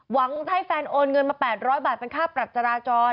หวังจะให้แฟนโอนเงินมา๘๐๐บาทเป็นค่าปรับจราจร